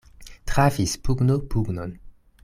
Trafis pugno pugnon.